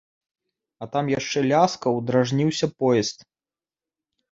А там яшчэ ляскаў, дражніўся поезд.